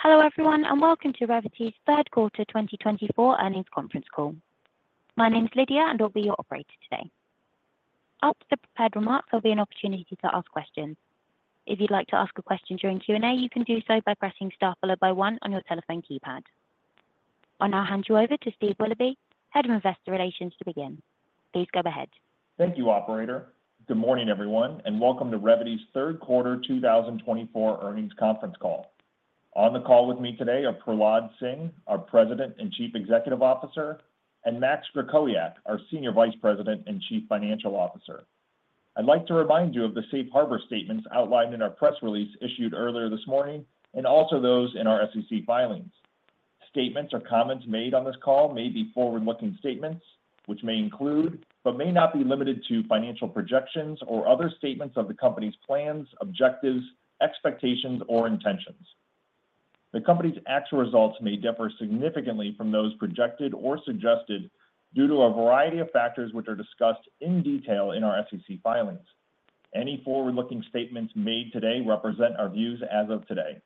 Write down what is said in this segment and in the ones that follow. Hello everyone, and welcome to Revvity's Third Quarter 2024 Earnings Conference Call. My name's Lydia, and I'll be your operator today. After the prepared remarks, there'll be an opportunity to ask questions. If you'd like to ask a question during Q&A, you can do so by pressing star, followed by one on your telephone keypad. I'll now hand you over to Steve Willoughby, Head of Investor Relations, to begin. Please go ahead. Thank you, Operator. Good morning, everyone, and welcome to Revvity's Third Quarter 2024 Earnings Conference Call. On the call with me today are Prahlad Singh, our President and Chief Executive Officer, and Max Krakowiak, our Senior Vice President and Chief Financial Officer. I'd like to remind you of the Safe Harbor Statements outlined in our press release issued earlier this morning, and also those in our SEC filings. Statements or comments made on this call may be forward-looking statements, which may include, but may not be limited to, financial projections or other statements of the company's plans, objectives, expectations, or intentions. The company's actual results may differ significantly from those projected or suggested due to a variety of factors which are discussed in detail in our SEC filings. Any forward-looking statements made today represent our views as of today.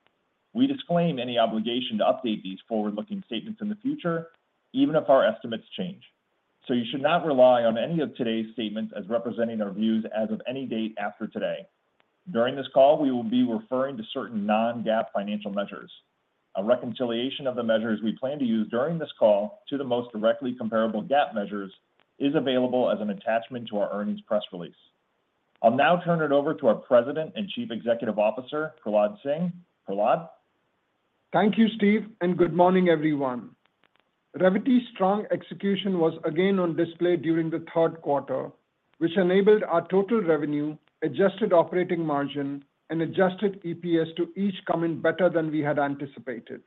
We disclaim any obligation to update these forward-looking statements in the future, even if our estimates change. So you should not rely on any of today's statements as representing our views as of any date after today. During this call, we will be referring to certain non-GAAP financial measures. A reconciliation of the measures we plan to use during this call to the most directly comparable GAAP measures is available as an attachment to our earnings press release. I'll now turn it over to our President and Chief Executive Officer, Prahlad Singh. Prahlad? Thank you, Steve, and good morning, everyone. Revvity's strong execution was again on display during the third quarter, which enabled our total revenue, adjusted operating margin, and adjusted EPS to each come in better than we had anticipated.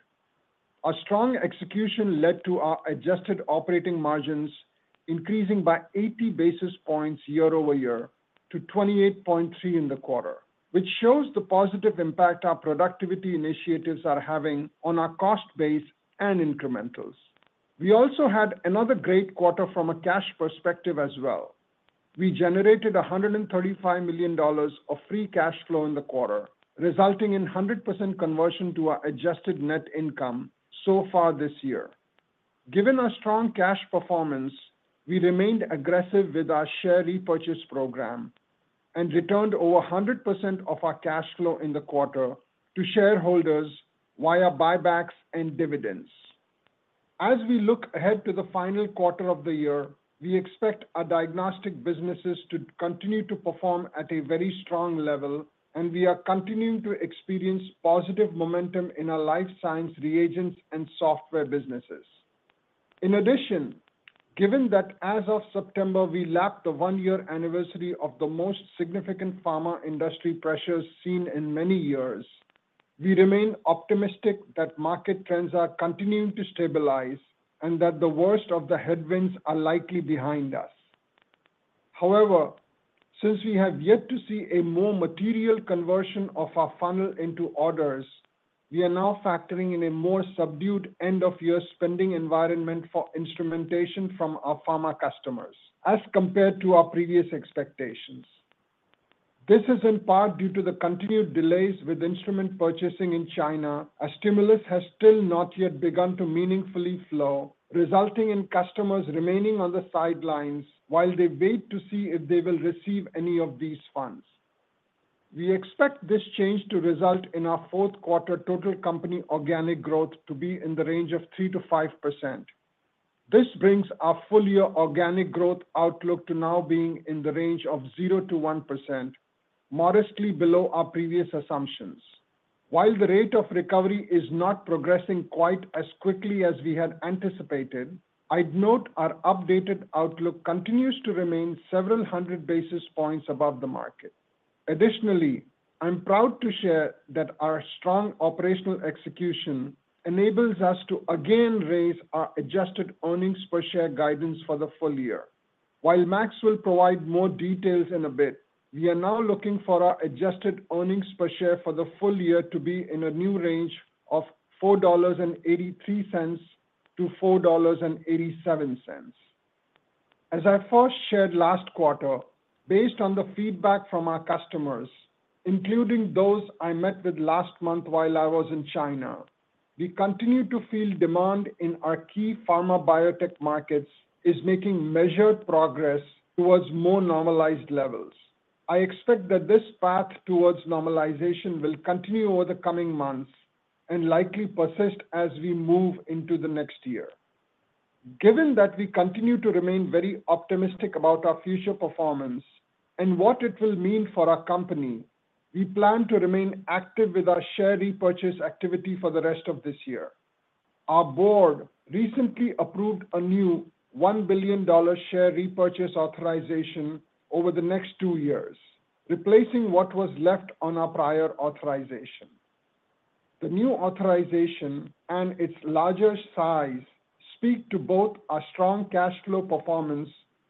Our strong execution led to our adjusted operating margins increasing by 80 basis points year-over-year to 28.3 in the quarter, which shows the positive impact our productivity initiatives are having on our cost base and incrementals. We also had another great quarter from a cash perspective as well. We generated $135 million of free cash flow in the quarter, resulting in 100% conversion to our adjusted net income so far this year. Given our strong cash performance, we remained aggressive with our share repurchase program and returned over 100% of our cash flow in the quarter to shareholders via buybacks and dividends. As we look ahead to the final quarter of the year, we expect our diagnostic businesses to continue to perform at a very strong level, and we are continuing to experience positive momentum in our life science reagents and software businesses. In addition, given that as of September we lapped the one-year anniversary of the most significant pharma industry pressures seen in many years, we remain optimistic that market trends are continuing to stabilize and that the worst of the headwinds are likely behind us. However, since we have yet to see a more material conversion of our funnel into orders, we are now factoring in a more subdued end-of-year spending environment for instrumentation from our pharma customers, as compared to our previous expectations. This is in part due to the continued delays with instrument purchasing in China. A stimulus has still not yet begun to meaningfully flow, resulting in customers remaining on the sidelines while they wait to see if they will receive any of these funds. We expect this change to result in our fourth quarter total company organic growth to be in the range of 3%-5%. This brings our full-year organic growth outlook to now being in the range of 0%-1%, modestly below our previous assumptions. While the rate of recovery is not progressing quite as quickly as we had anticipated, I'd note our updated outlook continues to remain several hundred basis points above the market. Additionally, I'm proud to share that our strong operational execution enables us to again raise our adjusted earnings per share guidance for the full year. While Max will provide more details in a bit, we are now looking for our adjusted earnings per share for the full year to be in a new range of $4.83-$4.87. As I first shared last quarter, based on the feedback from our customers, including those I met with last month while I was in China, we continue to feel demand in our key pharma biotech markets is making measured progress towards more normalized levels. I expect that this path towards normalization will continue over the coming months and likely persist as we move into the next year. Given that we continue to remain very optimistic about our future performance and what it will mean for our company, we plan to remain active with our share repurchase activity for the rest of this year. Our board recently approved a new $1 billion share repurchase authorization over the next two years, replacing what was left on our prior authorization. The new authorization and its larger size speak to both our strong cash flow performance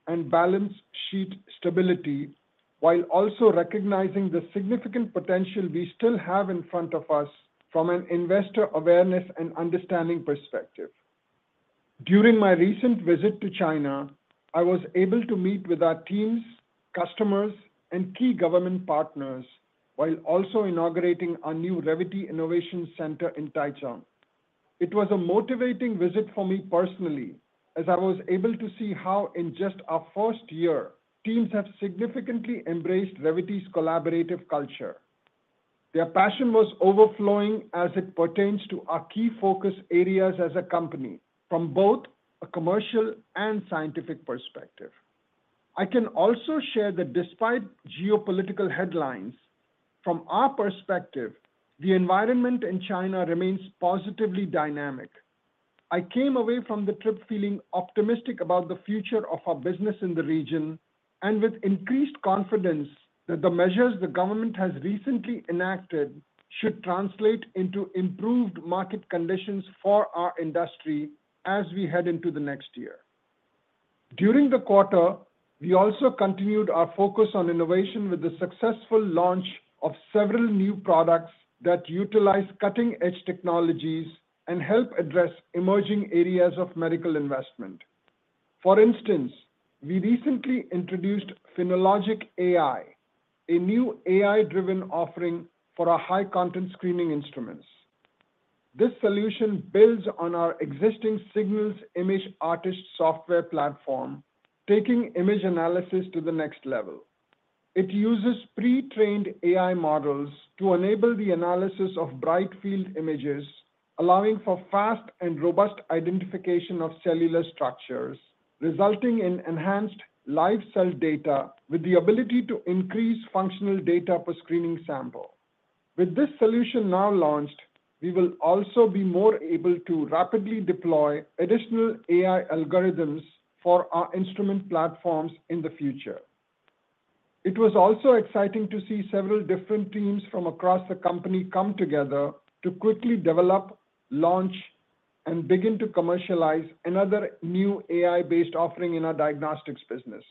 and balance sheet stability, while also recognizing the significant potential we still have in front of us from an investor awareness and understanding perspective. During my recent visit to China, I was able to meet with our teams, customers, and key government partners while also inaugurating our new Revvity Innovation Center in Taicang. It was a motivating visit for me personally, as I was able to see how in just our first year, teams have significantly embraced Revvity's collaborative culture. Their passion was overflowing as it pertains to our key focus areas as a company, from both a commercial and scientific perspective. I can also share that despite geopolitical headlines, from our perspective, the environment in China remains positively dynamic. I came away from the trip feeling optimistic about the future of our business in the region and with increased confidence that the measures the government has recently enacted should translate into improved market conditions for our industry as we head into the next year. During the quarter, we also continued our focus on innovation with the successful launch of several new products that utilize cutting-edge technologies and help address emerging areas of medical investment. For instance, we recently introduced PhenoLogic AI, a new AI-driven offering for our high-content screening instruments. This solution builds on our existing Signals Image Artist software platform, taking image analysis to the next level. It uses pre-trained AI models to enable the analysis of bright field images, allowing for fast and robust identification of cellular structures, resulting in enhanced live cell data with the ability to increase functional data per screening sample. With this solution now launched, we will also be more able to rapidly deploy additional AI algorithms for our instrument platforms in the future. It was also exciting to see several different teams from across the company come together to quickly develop, launch, and begin to commercialize another new AI-based offering in our diagnostics business.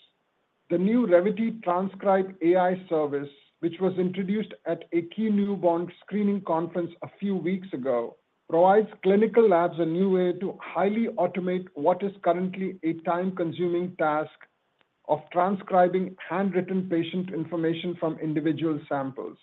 The new Revvity Transcribe AI service, which was introduced at a key Newborn Screening Conference a few weeks ago, provides clinical labs a new way to highly automate what is currently a time-consuming task of transcribing handwritten patient information from individual samples.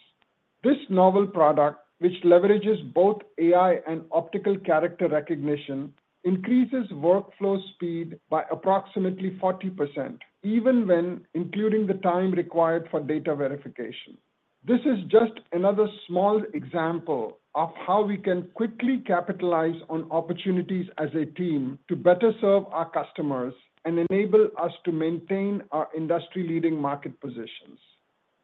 This novel product, which leverages both AI and optical character recognition, increases workflow speed by approximately 40%, even when including the time required for data verification. This is just another small example of how we can quickly capitalize on opportunities as a team to better serve our customers and enable us to maintain our industry-leading market positions.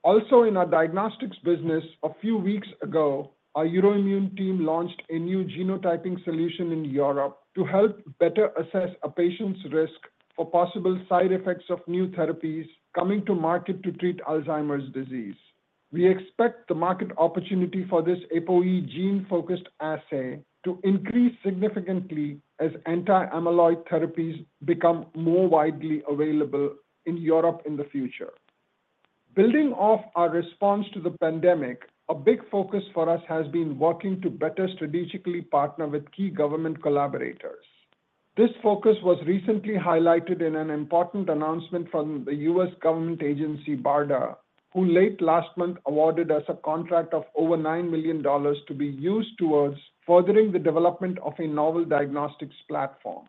Also, in our diagnostics business, a few weeks ago, our Euroimmun team launched a new genotyping solution in Europe to help better assess a patient's risk for possible side effects of new therapies coming to market to treat Alzheimer's disease. We expect the market opportunity for this APOE gene-focused assay to increase significantly as anti-amyloid therapies become more widely available in Europe in the future. Building off our response to the pandemic, a big focus for us has been working to better strategically partner with key government collaborators. This focus was recently highlighted in an important announcement from the U.S. government agency BARDA, who late last month awarded us a contract of over $9 million to be used towards furthering the development of a novel diagnostics platform.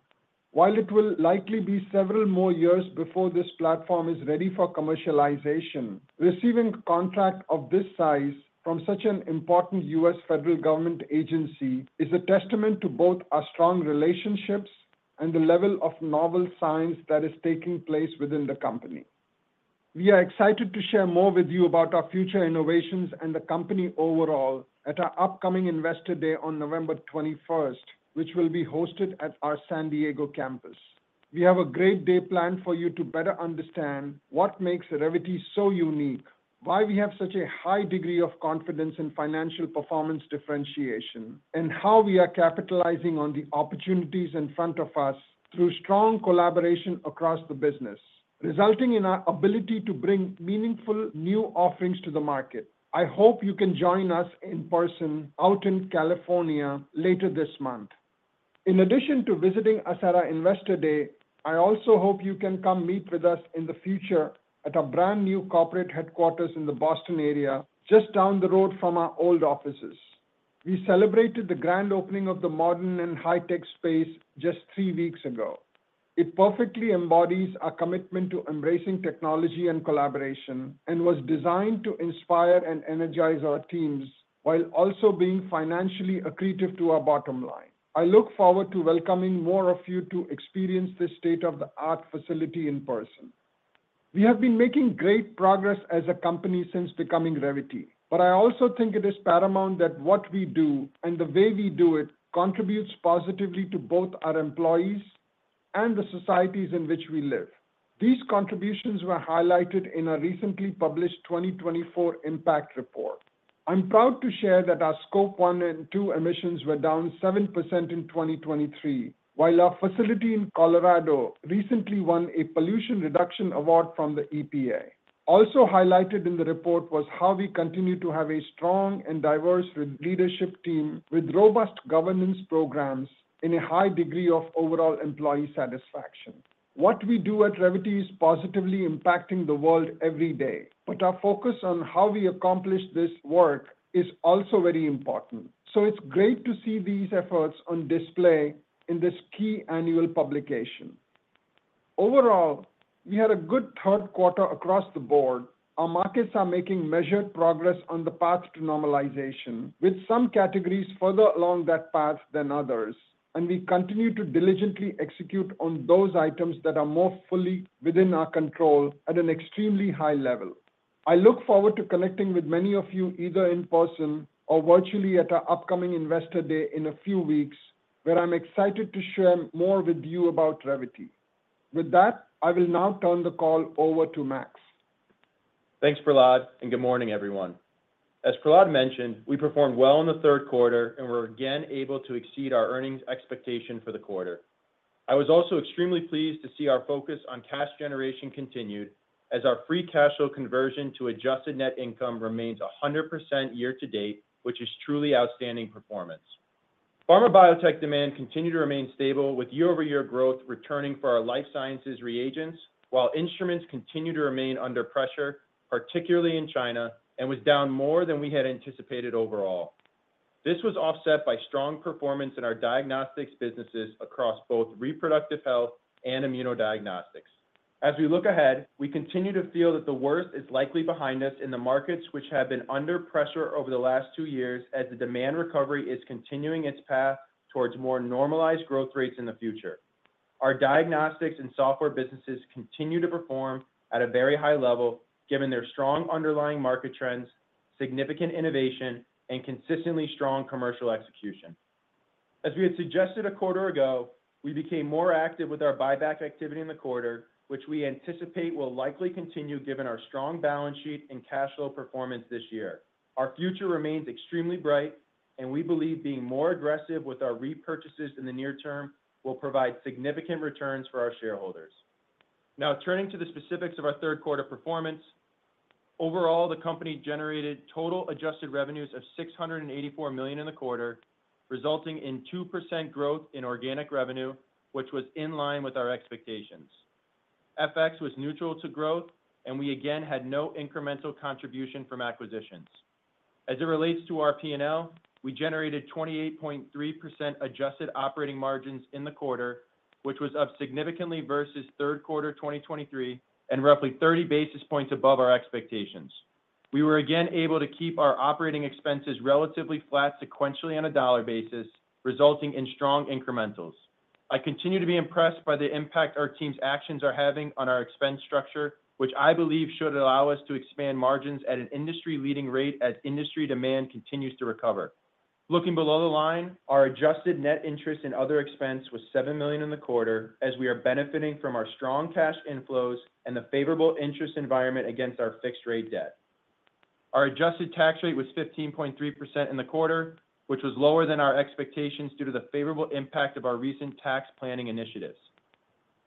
While it will likely be several more years before this platform is ready for commercialization, receiving a contract of this size from such an important U.S. federal government agency is a testament to both our strong relationships and the level of novel science that is taking place within the company. We are excited to share more with you about our future innovations and the company overall at our upcoming Investor Day on November 21st, which will be hosted at our San Diego campus. We have a great day planned for you to better understand what makes Revvity so unique, why we have such a high degree of confidence in financial performance differentiation, and how we are capitalizing on the opportunities in front of us through strong collaboration across the business, resulting in our ability to bring meaningful new offerings to the market. I hope you can join us in person out in California later this month. In addition to visiting us at our Investor Day, I also hope you can come meet with us in the future at our brand new corporate headquarters in the Boston area, just down the road from our old offices. We celebrated the grand opening of the modern and high-tech space just three weeks ago. It perfectly embodies our commitment to embracing technology and collaboration and was designed to inspire and energize our teams while also being financially accretive to our bottom line. I look forward to welcoming more of you to experience this state-of-the-art facility in person. We have been making great progress as a company since becoming Revvity, but I also think it is paramount that what we do and the way we do it contributes positively to both our employees and the societies in which we live. These contributions were highlighted in a recently published 2024 impact report. I'm proud to share that our Scope 1 and 2 emissions were down 7% in 2023, while our facility in Colorado recently won a Pollution Reduction Award from the EPA. Also highlighted in the report was how we continue to have a strong and diverse leadership team with robust governance programs and a high degree of overall employee satisfaction. What we do at Revvity is positively impacting the world every day, but our focus on how we accomplish this work is also very important, so it's great to see these efforts on display in this key annual publication. Overall, we had a good third quarter across the board. Our markets are making measured progress on the path to normalization, with some categories further along that path than others, and we continue to diligently execute on those items that are more fully within our control at an extremely high level. I look forward to connecting with many of you either in person or virtually at our upcoming Investor Day in a few weeks, where I'm excited to share more with you about Revvity. With that, I will now turn the call over to Max. Thanks, Prahlad, and good morning, everyone. As Prahlad mentioned, we performed well in the third quarter and were again able to exceed our earnings expectation for the quarter. I was also extremely pleased to see our focus on cash generation continued as our free cash flow conversion to adjusted net income remains 100% year-to-date, which is truly outstanding performance. Pharma biotech demand continued to remain stable, with year-over-year growth returning for our life sciences reagents, while instruments continued to remain under pressure, particularly in China, and was down more than we had anticipated overall. This was offset by strong performance in our diagnostics businesses across both reproductive health and immunodiagnostics. As we look ahead, we continue to feel that the worst is likely behind us in the markets, which have been under pressure over the last two years as the demand recovery is continuing its path towards more normalized growth rates in the future. Our diagnostics and software businesses continue to perform at a very high level, given their strong underlying market trends, significant innovation, and consistently strong commercial execution. As we had suggested a quarter ago, we became more active with our buyback activity in the quarter, which we anticipate will likely continue given our strong balance sheet and cash flow performance this year. Our future remains extremely bright, and we believe being more aggressive with our repurchases in the near term will provide significant returns for our shareholders. Now, turning to the specifics of our third quarter performance, overall, the company generated total adjusted revenues of $684 million in the quarter, resulting in 2% growth in organic revenue, which was in line with our expectations. FX was neutral to growth, and we again had no incremental contribution from acquisitions. As it relates to our P&L, we generated 28.3% adjusted operating margins in the quarter, which was up significantly versus third quarter 2023 and roughly 30 basis points above our expectations. We were again able to keep our operating expenses relatively flat sequentially on a dollar basis, resulting in strong incrementals. I continue to be impressed by the impact our team's actions are having on our expense structure, which I believe should allow us to expand margins at an industry-leading rate as industry demand continues to recover. Looking below the line, our adjusted net interest in other expense was $7 million in the quarter as we are benefiting from our strong cash inflows and the favorable interest environment against our fixed-rate debt. Our adjusted tax rate was 15.3% in the quarter, which was lower than our expectations due to the favorable impact of our recent tax planning initiatives.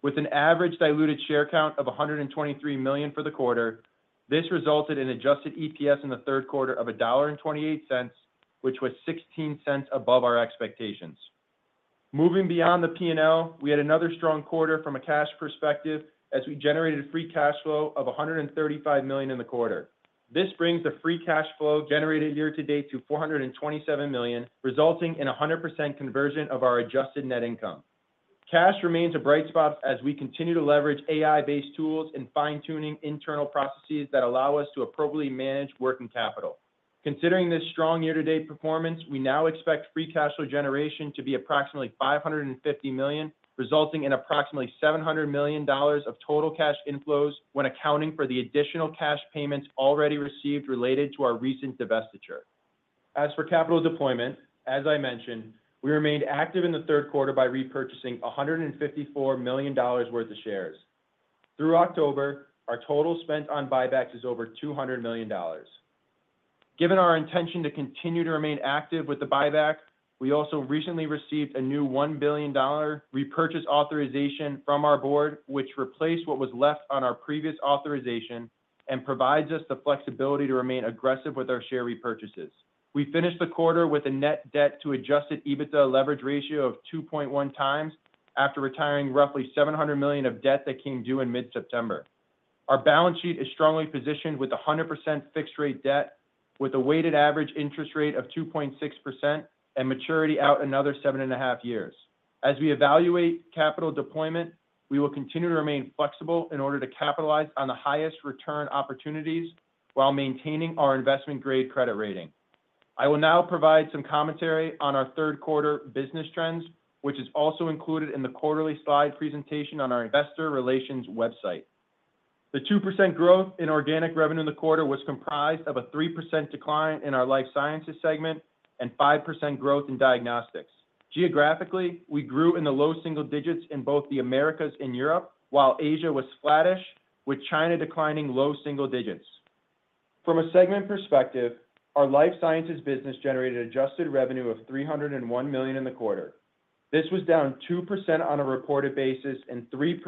With an average diluted share count of 123 million for the quarter, this resulted in adjusted EPS in the third quarter of $1.28, which was $0.16 above our expectations. Moving beyond the P&L, we had another strong quarter from a cash perspective as we generated free cash flow of $135 million in the quarter. This brings the free cash flow generated year to date to $427 million, resulting in 100% conversion of our adjusted net income. Cash remains a bright spot as we continue to leverage AI-based tools and fine-tuning internal processes that allow us to appropriately manage working capital. Considering this strong year-to-date performance, we now expect free cash flow generation to be approximately $550 million, resulting in approximately $700 million of total cash inflows when accounting for the additional cash payments already received related to our recent divestiture. As for capital deployment, as I mentioned, we remained active in the third quarter by repurchasing $154 million worth of shares. Through October, our total spent on buybacks is over $200 million. Given our intention to continue to remain active with the buyback, we also recently received a new $1 billion repurchase authorization from our board, which replaced what was left on our previous authorization and provides us the flexibility to remain aggressive with our share repurchases. We finished the quarter with a net debt-to-adjusted EBITDA leverage ratio of 2.1 times after retiring roughly $700 million of debt that came due in mid-September. Our balance sheet is strongly positioned with 100% fixed-rate debt, with a weighted average interest rate of 2.6% and maturity out another seven and a half years. As we evaluate capital deployment, we will continue to remain flexible in order to capitalize on the highest return opportunities while maintaining our investment-grade credit rating. I will now provide some commentary on our third quarter business trends, which is also included in the quarterly slide presentation on our Investor Relations website. The 2% growth in organic revenue in the quarter was comprised of a 3% decline in our life sciences segment and 5% growth in diagnostics. Geographically, we grew in the low single digits in both the Americas and Europe, while Asia was flattish, with China declining low single digits. From a segment perspective, our Life Sciences business generated Adjusted revenue of $301 million in the quarter. This was down 2% on a reported basis and 3%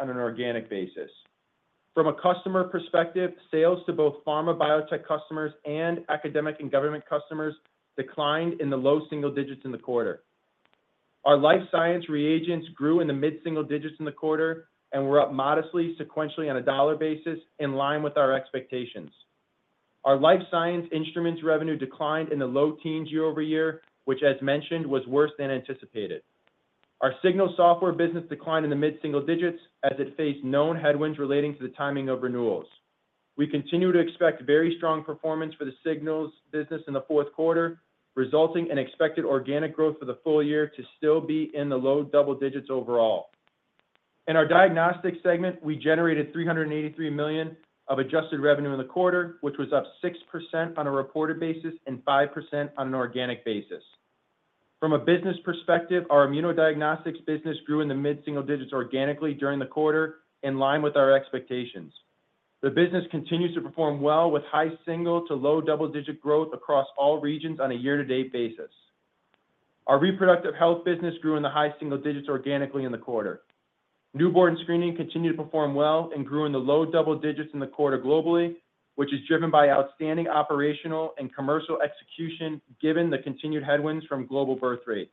on an organic basis. From a customer perspective, sales to both pharma biotech customers and academic and government customers declined in the low single digits in the quarter. Our Life Sciences reagents grew in the mid-single digits in the quarter and were up modestly sequentially on a dollar basis, in line with our expectations. Our Life Sciences instruments revenue declined in the low teens year-over-year, which, as mentioned, was worse than anticipated. Our Signals software business declined in the mid-single digits as it faced known headwinds relating to the timing of renewals. We continue to expect very strong performance for the signals business in the fourth quarter, resulting in expected organic growth for the full year to still be in the low double digits overall. In our diagnostics segment, we generated $383 million of adjusted revenue in the quarter, which was up 6% on a reported basis and 5% on an organic basis. From a business perspective, our immunodiagnostics business grew in the mid-single digits organically during the quarter, in line with our expectations. The business continues to perform well with high single to low double-digit growth across all regions on a year-to-date basis. Our reproductive health business grew in the high single digits organically in the quarter. Newborn screening continued to perform well and grew in the low double digits in the quarter globally, which is driven by outstanding operational and commercial execution given the continued headwinds from global birth rates.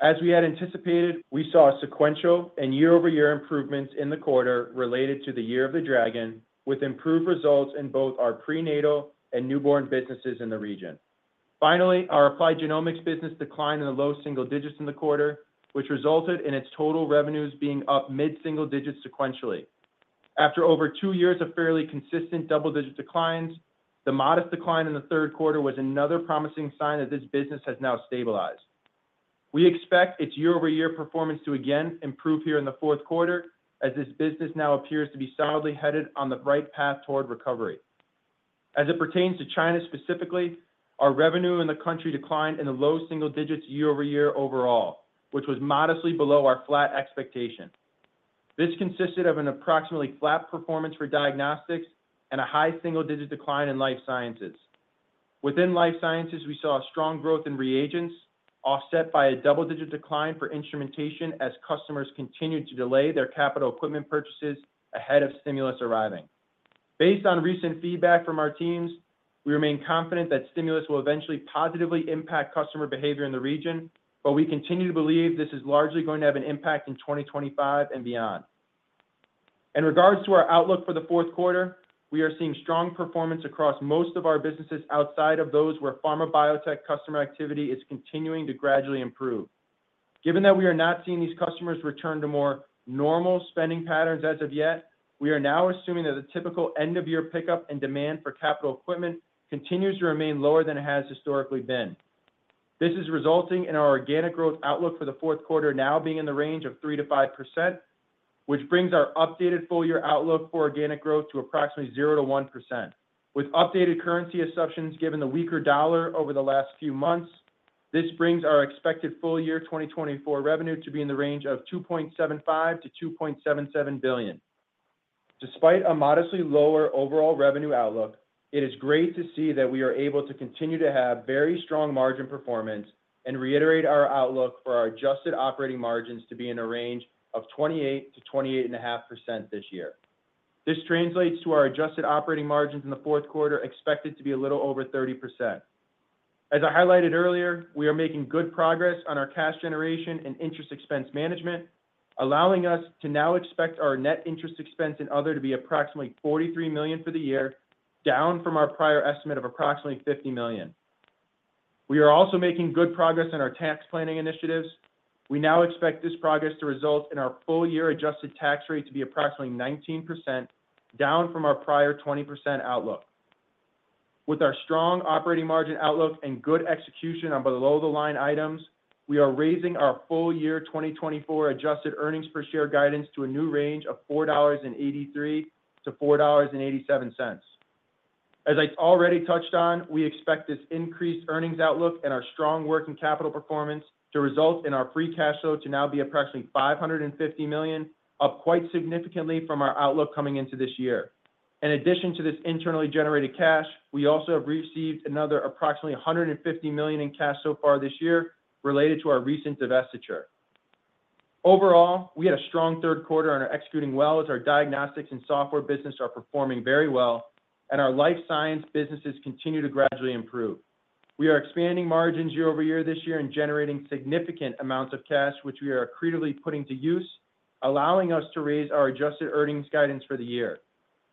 As we had anticipated, we saw sequential and year-over-year improvements in the quarter related to the Year of the Dragon, with improved results in both our prenatal and newborn businesses in the region. Finally, our applied genomics business declined in the low single digits in the quarter, which resulted in its total revenues being up mid-single digits sequentially. After over two years of fairly consistent double-digit declines, the modest decline in the third quarter was another promising sign that this business has now stabilized. We expect its year-over-year performance to again improve here in the fourth quarter as this business now appears to be solidly headed on the right path toward recovery. As it pertains to China specifically, our revenue in the country declined in the low single digits year-over-year overall, which was modestly below our flat expectation. This consisted of an approximately flat performance for diagnostics and a high single-digit decline in life sciences. Within life sciences, we saw strong growth in reagents, offset by a double-digit decline for instrumentation as customers continued to delay their capital equipment purchases ahead of stimulus arriving. Based on recent feedback from our teams, we remain confident that stimulus will eventually positively impact customer behavior in the region, but we continue to believe this is largely going to have an impact in 2025 and beyond. In regards to our outlook for the fourth quarter, we are seeing strong performance across most of our businesses outside of those where pharma biotech customer activity is continuing to gradually improve. Given that we are not seeing these customers return to more normal spending patterns as of yet, we are now assuming that the typical end-of-year pickup and demand for capital equipment continues to remain lower than it has historically been. This is resulting in our organic growth outlook for the fourth quarter now being in the range of 3%-5%, which brings our updated full-year outlook for organic growth to approximately 0%-1%. With updated currency assumptions given the weaker dollar over the last few months, this brings our expected full-year 2024 revenue to be in the range of $2.75-$2.77 billion. Despite a modestly lower overall revenue outlook, it is great to see that we are able to continue to have very strong margin performance and reiterate our outlook for our adjusted operating margins to be in a range of 28%-28.5% this year. This translates to our adjusted operating margins in the fourth quarter expected to be a little over 30%. As I highlighted earlier, we are making good progress on our cash generation and interest expense management, allowing us to now expect our net interest expense in 2024 to be approximately $43 million for the year, down from our prior estimate of approximately $50 million. We are also making good progress on our tax planning initiatives. We now expect this progress to result in our full-year adjusted tax rate to be approximately 19%, down from our prior 20% outlook. With our strong operating margin outlook and good execution on below-the-line items, we are raising our full-year 2024 adjusted earnings per share guidance to a new range of $4.83-$4.87. As I already touched on, we expect this increased earnings outlook and our strong working capital performance to result in our free cash flow to now be approximately $550 million, up quite significantly from our outlook coming into this year. In addition to this internally generated cash, we also have received another approximately $150 million in cash so far this year related to our recent divestiture. Overall, we had a strong third quarter and are executing well as our diagnostics and software business are performing very well, and our life science businesses continue to gradually improve. We are expanding margins year-over-year this year and generating significant amounts of cash, which we are accretively putting to use, allowing us to raise our adjusted earnings guidance for the year.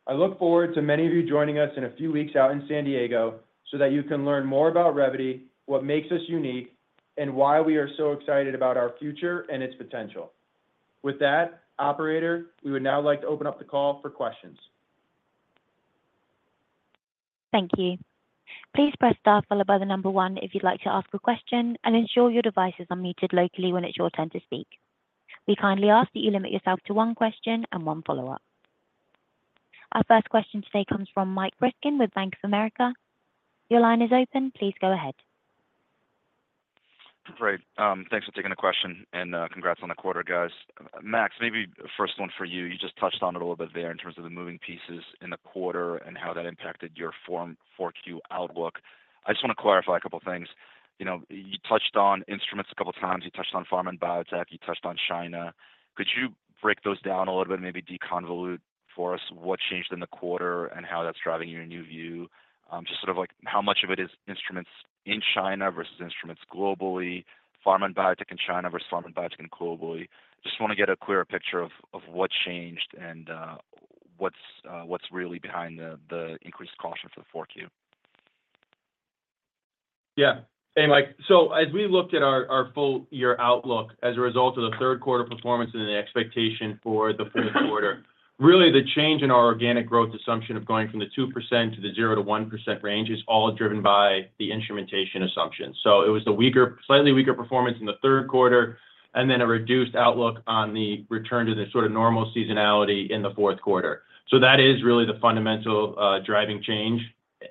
I look forward to many of you joining us in a few weeks out in San Diego so that you can learn more about Revvity, what makes us unique, and why we are so excited about our future and its potential. With that, Operator, we would now like to open up the call for questions. Thank you. Please press star followed by the number one if you'd like to ask a question and ensure your device is unmuted locally when it's your turn to speak. We kindly ask that you limit yourself to one question and one follow-up. Our first question today comes from Mike Ryskin with Bank of America. Your line is open. Please go ahead. Great. Thanks for taking the question and congrats on the quarter, guys. Max, maybe the first one for you. You just touched on it a little bit there in terms of the moving pieces in the quarter and how that impacted your Q4 outlook. I just want to clarify a couple of things. You touched on instruments a couple of times. You touched on pharma and biotech. You touched on China. Could you break those down a little bit, maybe deconvolute for us what changed in the quarter and how that's driving your new view? Just sort of how much of it is instruments in China versus instruments globally, pharma and biotech in China versus pharma and biotech globally. Just want to get a clearer picture of what changed and what's really behind the increased caution for the 4Q. Yeah. Hey, Mike. As we looked at our full-year outlook as a result of the third quarter performance and the expectation for the fourth quarter, really the change in our organic growth assumption of going from 2% to the 0%-1% range is all driven by the instrumentation assumption. That is really the fundamental driving change.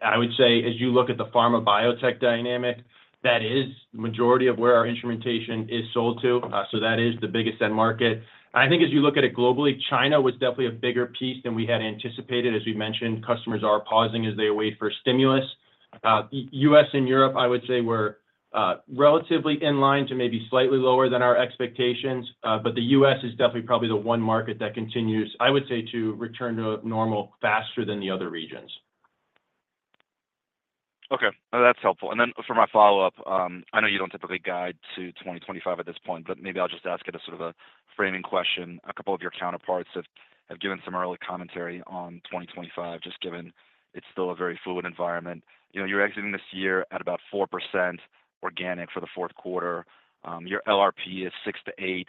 I would say as you look at the pharma biotech dynamic, that is the majority of where our instrumentation is sold to. That is the biggest end market. I think as you look at it globally, China was definitely a bigger piece than we had anticipated. As we mentioned, customers are pausing as they wait for stimulus. U.S. and Europe, I would say, were relatively in line to maybe slightly lower than our expectations, but the U.S. is definitely probably the one market that continues, I would say, to return to normal faster than the other regions. Okay. That's helpful. And then for my follow-up, I know you don't typically guide to 2025 at this point, but maybe I'll just ask it as sort of a framing question. A couple of your counterparts have given some early commentary on 2025, just given it's still a very fluid environment. You're exiting this year at about 4% organic for the fourth quarter. Your LRP is 6%-8%.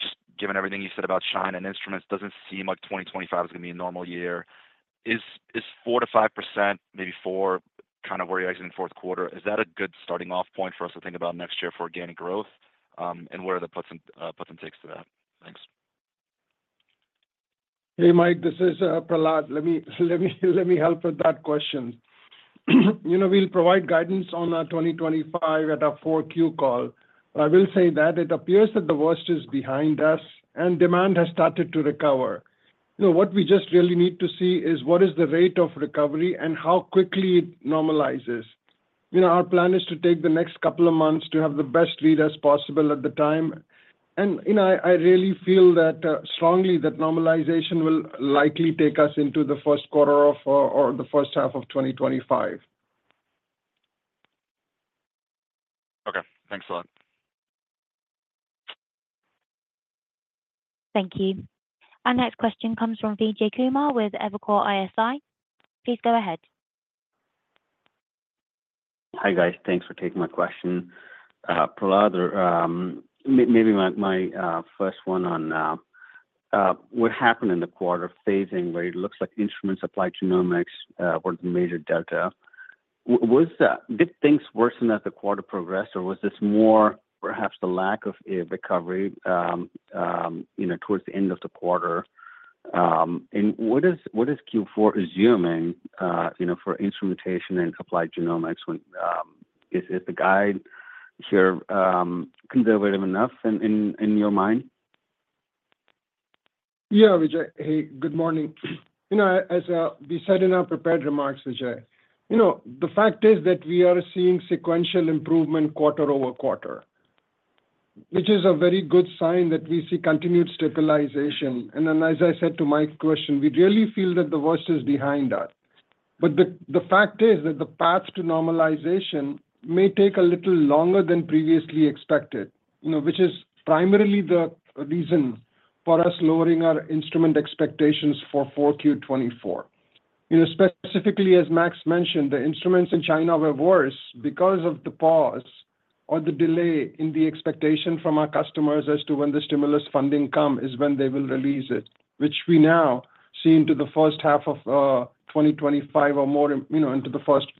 Just given everything you said about China and instruments, it doesn't seem like 2025 is going to be a normal year. Is 4%-5%, maybe 4%, kind of where you're exiting the fourth quarter, is that a good starting off point for us to think about next year for organic growth? And where are the puts and takes to that? Thanks. Hey, Mike, this is Prahlad. Let me help with that question. We'll provide guidance on 2025 at our 4Q call. I will say that it appears that the worst is behind us and demand has started to recover. What we just really need to see is what is the rate of recovery and how quickly it normalizes. Our plan is to take the next couple of months to have the best read as possible at the time. And I really feel strongly that normalization will likely take us into the first quarter or the first half of 2025. Okay. Thanks a lot. Thank you. Our next question comes from Vijay Kumar with Evercore ISI. Please go ahead. Hi, guys. Thanks for taking my question. Prahlad, maybe my first one on what happened in the quarter phasing where it looks like instruments, applied genomics were the major delta. Did things worsen as the quarter progressed, or was this more perhaps the lack of a recovery towards the end of the quarter? And what is Q4 assuming for instrumentation and applied genomics? Is the guide here conservative enough in your mind? Yeah, Vijay. Hey, good morning. As we said in our prepared remarks, Vijay, the fact is that we are seeing sequential improvement quarter over quarter, which is a very good sign that we see continued stabilization. And then, as I said to Mike's question, we really feel that the worst is behind us. But the fact is that the path to normalization may take a little longer than previously expected, which is primarily the reason for us lowering our instrument expectations for 4Q24. Specifically, as Max mentioned, the instruments in China were worse because of the pause or the delay in the expectation from our customers as to when the stimulus funding comes is when they will release it, which we now see into the first half of 2025 or more into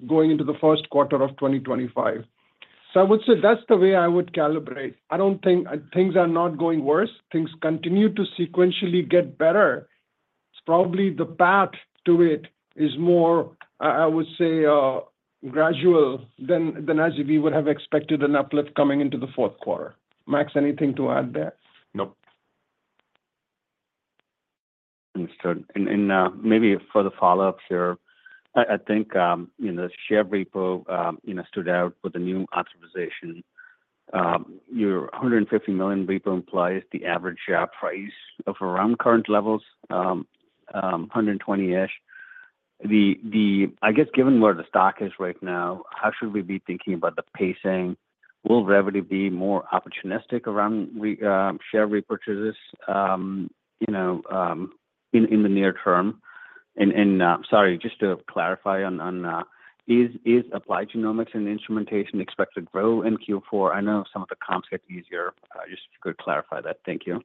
going into the first quarter of 2025. So I would say that's the way I would calibrate. I don't think things are not going worse. Things continue to sequentially get better. It's probably the path to it is more, I would say, gradual than as we would have expected an uplift coming into the fourth quarter. Max, anything to add there? Nope. Understood. Maybe for the follow-up here, I think the share repo stood out with a new authorization. Your $150 million repo implies the average share price of around current levels, $120-ish. I guess given where the stock is right now, how should we be thinking about the pacing? Will Revvity be more opportunistic around share repurchases in the near term? And sorry, just to clarify on that, is applied genomics and instrumentation expected to grow in Q4? I know some of the comps get easier. Just if you could clarify that. Thank you.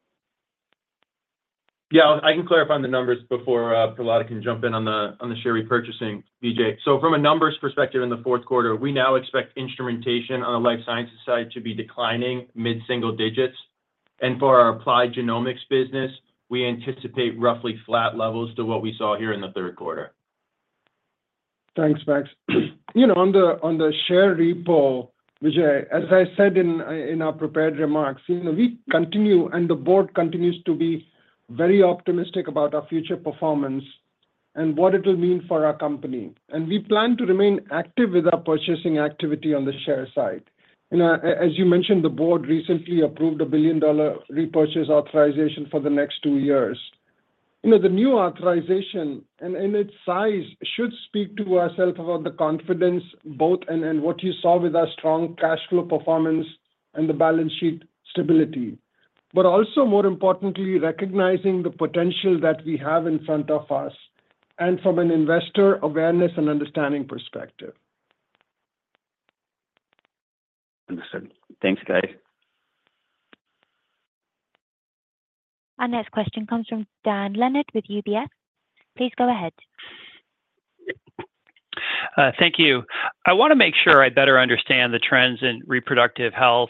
Yeah, I can clarify on the numbers before Prahlad can jump in on the share repurchasing, Vijay. So from a numbers perspective in the fourth quarter, we now expect instrumentation on the life sciences side to be declining mid-single digits. For our applied genomics business, we anticipate roughly flat levels to what we saw here in the third quarter. Thanks, Max. On the share repo, Vijay, as I said in our prepared remarks, we continue and the board continues to be very optimistic about our future performance and what it will mean for our company. We plan to remain active with our purchasing activity on the share side. As you mentioned, the board recently approved a $1 billion repurchase authorization for the next two years. The new authorization and its size should speak to ourselves about the confidence, both in what you saw with our strong cash flow performance and the balance sheet stability, but also, more importantly, recognizing the potential that we have in front of us and from an investor awareness and understanding perspective. Understood. Thanks, guys. Our next question comes from Dan Leonard with UBS. Please go ahead. Thank you. I want to make sure I better understand the trends in reproductive health.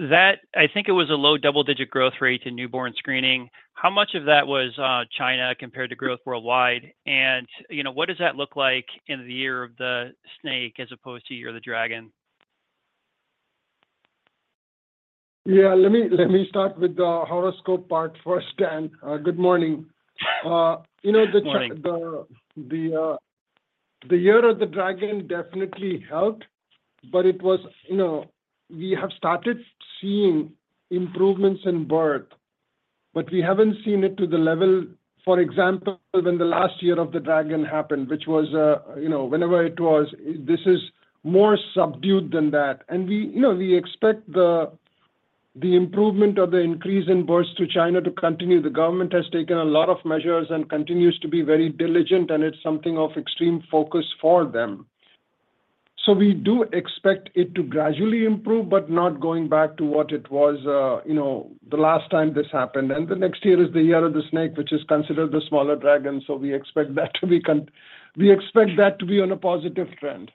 I think it was a low double-digit growth rate in newborn screening. How much of that was China compared to growth worldwide? And what does that look like in the year of the snake as opposed to year of the dragon? Yeah. Let me start with the horoscope part first, Dan. Good morning. The year of the dragon definitely helped, but we have started seeing improvements in birth, but we haven't seen it to the level, for example, when the last year of the dragon happened, which was whenever it was. This is more subdued than that. And we expect the improvement of the increase in births to China to continue. The government has taken a lot of measures and continues to be very diligent, and it's something of extreme focus for them. So we do expect it to gradually improve, but not going back to what it was the last time this happened. And the next year is the year of the snake, which is considered the smaller dragon. So we expect that to be on a positive trend.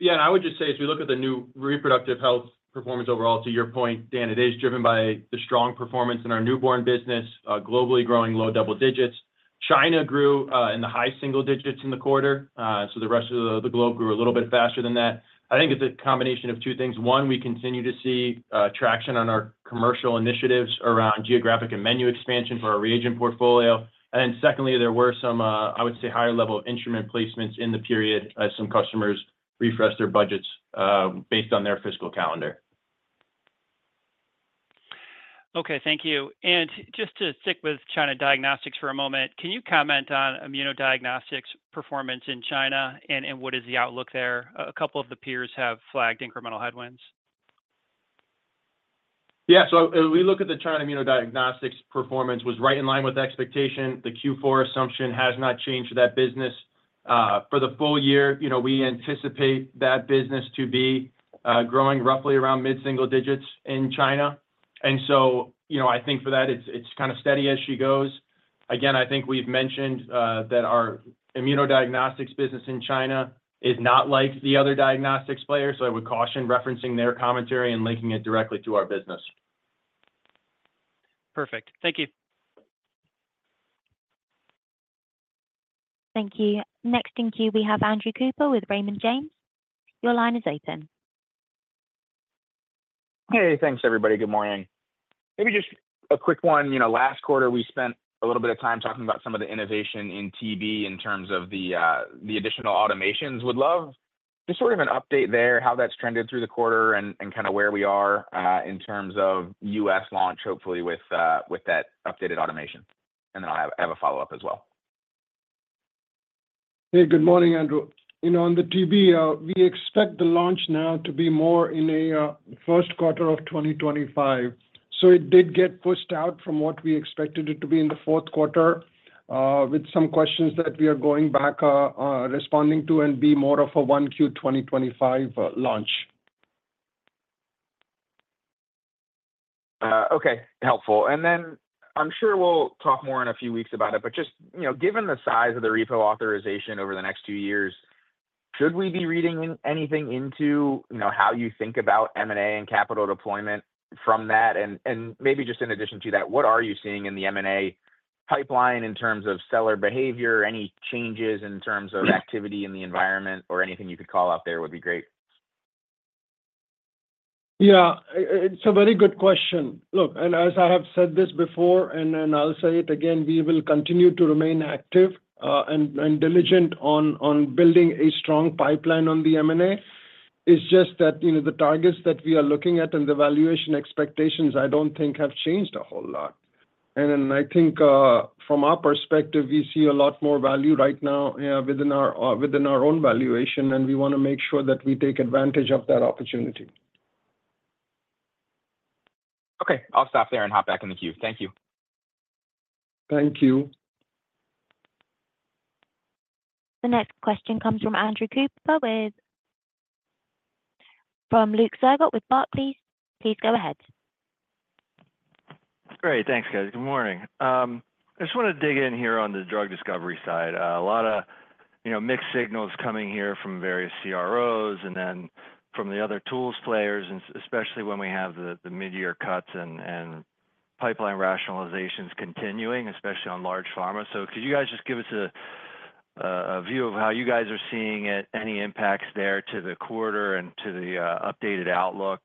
Yeah. And I would just say, as we look at the new reproductive health performance overall, to your point, Dan, it is driven by the strong performance in our newborn business, globally growing low double digits. China grew in the high single digits in the quarter. So the rest of the globe grew a little bit faster than that. I think it's a combination of two things. One, we continue to see traction on our commercial initiatives around geographic and menu expansion for our reagent portfolio. And then secondly, there were some, I would say, higher level of instrument placements in the period as some customers refreshed their budgets based on their fiscal calendar. Okay. Thank you. And just to stick with China diagnostics for a moment, can you comment on immunodiagnostics performance in China and what is the outlook there? A couple of the peers have flagged incremental headwinds. Yeah. So as we look at the China immunodiagnostics performance, it was right in line with expectation. The Q4 assumption has not changed that business. For the full year, we anticipate that business to be growing roughly around mid-single digits in China. And so I think for that, it's kind of steady as she goes. Again, I think we've mentioned that our immunodiagnostics business in China is not like the other diagnostics players. So I would caution referencing their commentary and linking it directly to our business. Perfect. Thank you. Thank you. Next in queue, we have Andrew Cooper with Raymond James. Your line is open. Hey, thanks, everybody. Good morning. Maybe just a quick one. Last quarter, we spent a little bit of time talking about some of the innovation in TB in terms of the additional automations. Would love just sort of an update there, how that's trended through the quarter and kind of where we are in terms of US launch, hopefully with that updated automation. And then I'll have a follow-up as well. Hey, good morning, Andrew. On the TB, we expect the launch now to be more in the first quarter of 2025. So it did get pushed out from what we expected it to be in the fourth quarter with some questions that we are going back responding to and be more of a 1Q2025 launch. Okay. Helpful. And then I'm sure we'll talk more in a few weeks about it, but just given the size of the repurchase authorization over the next few years, should we be reading anything into how you think about M&A and capital deployment from that? And maybe just in addition to that, what are you seeing in the M&A pipeline in terms of seller behavior, any changes in terms of activity in the environment, or anything you could call out there would be great. Yeah. It's a very good question. Look, and as I have said this before, and I'll say it again, we will continue to remain active and diligent on building a strong pipeline on the M&A. It's just that the targets that we are looking at and the valuation expectations, I don't think have changed a whole lot. And I think from our perspective, we see a lot more value right now within our own valuation, and we want to make sure that we take advantage of that opportunity. Okay. I'll stop there and hop back in the queue. Thank you. Thank you. The next question comes from Luke Sergott with Barclays. Please go ahead. Great. Thanks, guys. Good morning. I just want to dig in here on the drug discovery side. A lot of mixed signals coming here from various CROs and then from the other tools players, especially when we have the mid-year cuts and pipeline rationalizations continuing, especially on large pharma. So could you guys just give us a view of how you guys are seeing it, any impacts there to the quarter and to the updated outlook?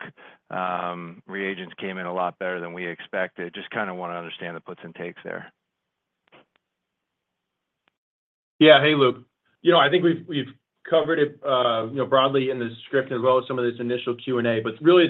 Reagents came in a lot better than we expected. Just kind of want to understand the puts and takes there. Yeah. Hey, Luke. I think we've covered it broadly in the script as well as some of this initial Q&A, but really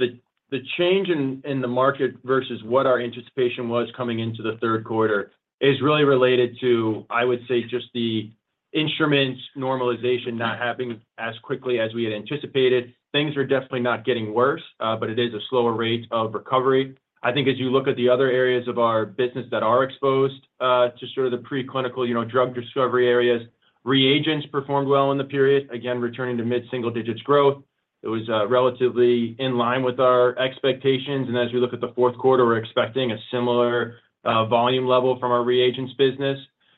the change in the market versus what our anticipation was coming into the third quarter is really related to, I would say, just the instruments normalization not happening as quickly as we had anticipated. Things are definitely not getting worse, but it is a slower rate of recovery. I think as you look at the other areas of our business that are exposed to sort of the preclinical drug discovery areas, reagents performed well in the period. Again, returning to mid-single digits growth, it was relatively in line with our expectations. And as we look at the fourth quarter, we're expecting a similar volume level from our reagents business.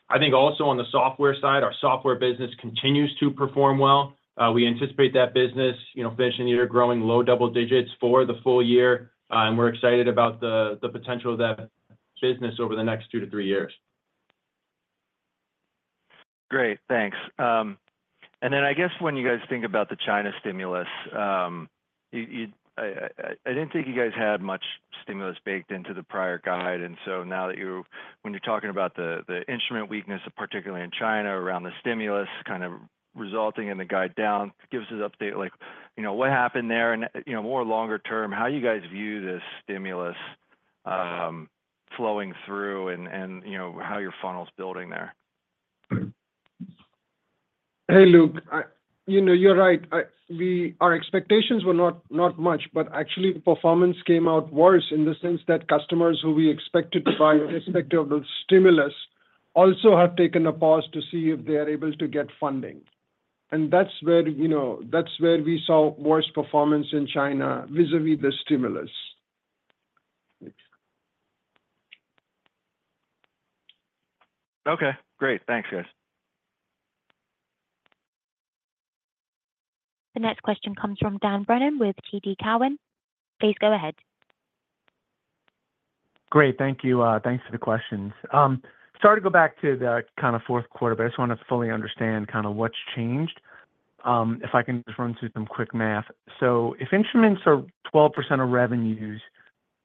I think also on the software side, our software business continues to perform well. We anticipate that business finishing the year growing low double digits for the full year, and we're excited about the potential of that business over the next two to three years. Great. Thanks. And then I guess when you guys think about the China stimulus, I didn't think you guys had much stimulus baked into the prior guide. And so now that you're talking about the instrument weakness, particularly in China around the stimulus kind of resulting in the guide down, give us an update like what happened there and more longer term, how you guys view this stimulus flowing through and how your funnel's building there. Hey, Luke, you're right. Our expectations were not much, but actually the performance came out worse in the sense that customers who we expected to buy respective of the stimulus also have taken a pause to see if they are able to get funding. And that's where we saw worse performance in China vis-à-vis the stimulus. Okay. Great. Thanks, guys. The next question comes from Dan Brennan with TD Cowen. Please go ahead. Great. Thank you. Thanks for the questions. Sorry to go back to the kind of fourth quarter, but I just want to fully understand kind of what's changed. If I can just run through some quick math, so if instruments are 12% of revenues,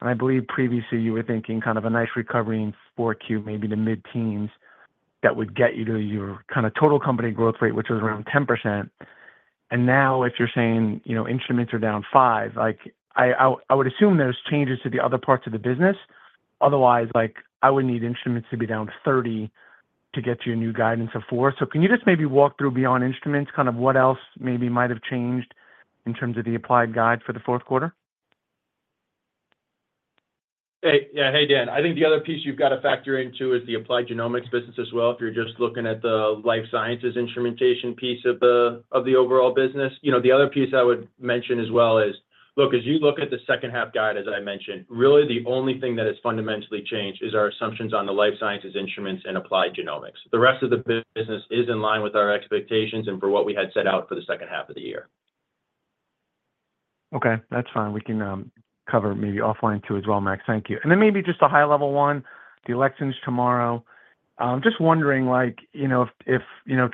and I believe previously you were thinking kind of a nice recovery in 4Q, maybe the mid-teens, that would get you to your kind of total company growth rate, which was around 10%, and now if you're saying instruments are down 5%, I would assume there's changes to the other parts of the business. Otherwise, I would need instruments to be down 30% to get you a new guidance of 4%. So can you just maybe walk through beyond instruments, kind of what else maybe might have changed in terms of the Applied guidance for the fourth quarter? Hey, Dan, I think the other piece you've got to factor into is the applied genomics business as well. If you're just looking at the life sciences instrumentation piece of the overall business, the other piece I would mention as well is, look, as you look at the second-half guide, as I mentioned, really the only thing that has fundamentally changed is our assumptions on the life sciences instruments and applied genomics. The rest of the business is in line with our expectations and for what we had set out for the second half of the year. Okay. That's fine. We can cover maybe offline too as well, Max. Thank you. And then maybe just a high-level one, the elections tomorrow. Just wondering if